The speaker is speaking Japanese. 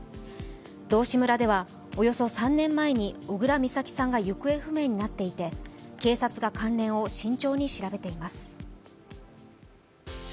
道志村ではおよそ３年前に小倉美咲さんが行方不明になっていて警察が関連を慎重に調べています。